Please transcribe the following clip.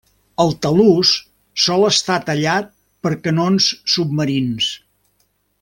El talús sol estar tallat per canons submarins.